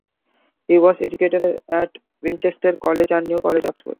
He was educated at Winchester College and New College, Oxford.